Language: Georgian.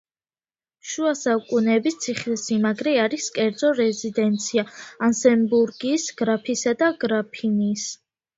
შუა საუკუნეების ციხესიმაგრე არის კერძო რეზიდენცია ანსემბურგის გრაფისა და გრაფინიის.